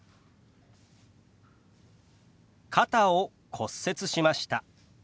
「肩を骨折しました」。